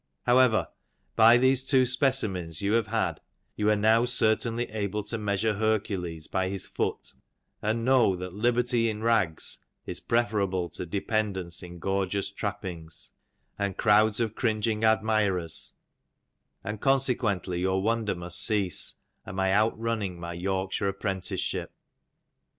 However, by these two specimens you have had, you are now certainly able to mea sure Hercules by hie foot ; and know, that Liberty in rags, is preferable to dependance in gorgeous trappings, and crowds of cringing admirers, and consequently your wonder must cease, at my out runniag my Yorkshire apprenticeship."